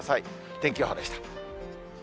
天気予報でした。